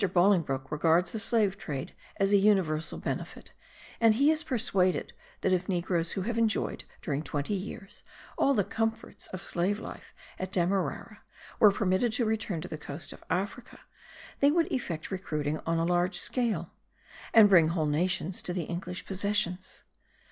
Bolingbroke regards the slave trade as a universal benefit; and he is persuaded that if negroes who have enjoyed, during twenty years, all the comforts of slave life at Demerara, were permitted to return to the coast of Africa, they would effect recruiting on a large scale, and bring whole nations to the English possessions.